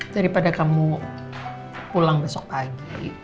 daripada kamu pulang besok pagi